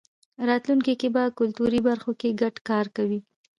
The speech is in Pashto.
راتلونکی کې به کلتوري برخو کې ګډ کار کوی.